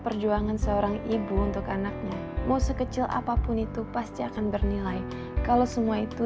perjuangan seorang ibu untuk anaknya mau sekecil apapun itu pasti akan bernilai kalau semua itu